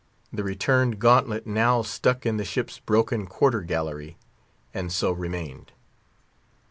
The returned gauntlet now stuck in the ship's broken quarter gallery, and so remained.